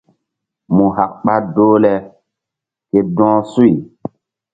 Mu hak ɓa doh le ke dɔh suy.